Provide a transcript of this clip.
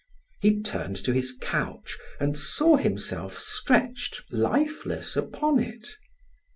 He turned to his couch and saw himself stretched lifeless upon it.